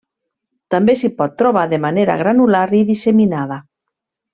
També s'hi pot trobar de manera granular i disseminada.